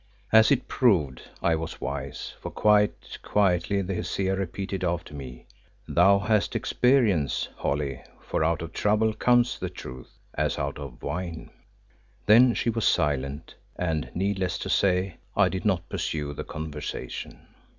As it proved, I was wise, for quite quietly the Hesea repeated after me "Thou hast experience, Holly, for out of trouble comes the truth, as out of wine." Then she was silent, and, needless to say, I did not pursue the conversation.